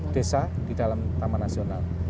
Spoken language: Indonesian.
desa di dalam taman nasional